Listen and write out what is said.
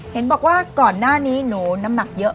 เห็นบอกว่าก่อนหน้านี้หนูน้ำหนักเยอะ